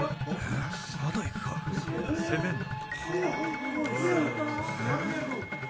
・まだ行くか・・攻めるな・